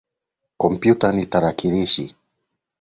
Kompyuta ni tarakilishi.